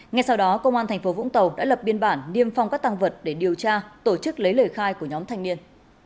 ngay sau đó công an thành phố vũng tàu đã lập biên bản niêm phong các tăng vật để điều tra tổ chức lấy lời khai của nhóm thanh niên